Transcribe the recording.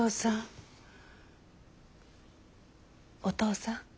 お父さん。